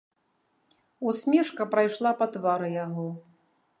Усмешка прайшла па твары яго.